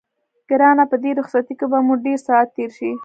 ګرانه په دې رخصتۍ کې به مو ډېر ساعت تېر شي.